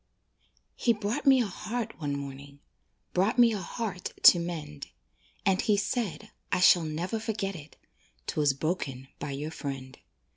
He brought me a heart one morning, Brought me a heart to mend; And he said (I shall never forget it) "'Twas broken by your friend."